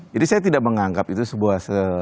jadi saya tidak menganggap itu sebuah